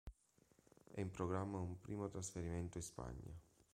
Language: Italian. È in programma un primo trasferimento in Spagna.